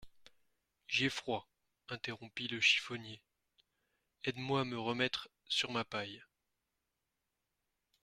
J'ai froid, interrompit le chiffonnier, aide-moi à me remettre sur ma paille.